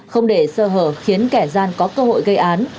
không để sơ hở khiến kẻ gian có cơ hội gây án